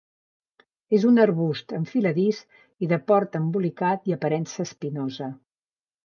És un arbust enfiladís i de port embolicat i aparença espinosa.